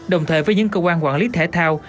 đồng thời với những cơ quan quản lý thể thao